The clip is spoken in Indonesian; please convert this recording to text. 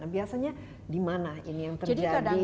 biasanya di mana ini yang terjadi semacam bottleneck